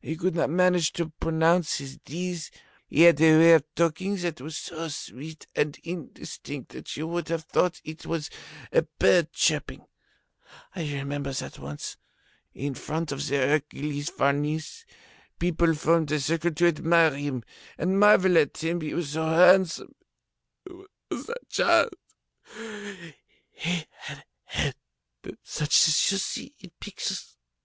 He could not manage to pronounce his Ds. He had a way of talking that was so sweet and indistinct that you would have thought it was a bird chirping. I remember that once, in front of the Hercules Farnese, people formed a circle to admire him and marvel at him, he was so handsome, was that child! He had a head such as you see in pictures.